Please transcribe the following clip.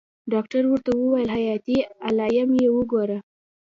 ډاکتر ورته وويل حياتي علايم يې وګوره.